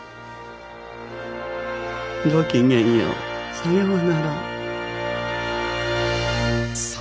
さようなら。